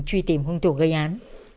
truy tìm hung thủ gây án